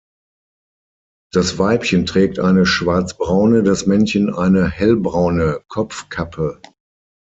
Das Weibchen trägt eine schwarzbraune, das Männchen eine hellbraune Kopfkappe.